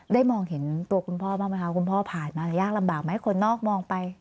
มองเห็นตัวคุณพ่อบ้างไหมคะคุณพ่อผ่านมายากลำบากไหมคนนอกมองไป